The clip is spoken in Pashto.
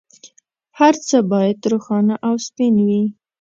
هر څه باید روښانه او سپین وي.